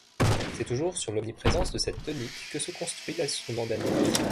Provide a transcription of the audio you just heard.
C'est toujours sur l'omniprésence de cette tonique que se construit l'instrument d'analyse.